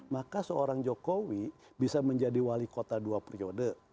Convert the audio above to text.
maka seorang jokowi bisa menjadi wali kota dua periode